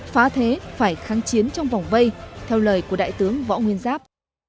phá thế phải kháng chiến trong vòng vây theo lời của đại tướng võ nguyên giáp